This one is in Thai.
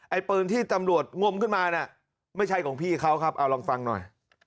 ปืนที่ตำรวจงมขึ้นมาน่ะไม่ใช่ของพี่เขาครับเอาลองฟังหน่อย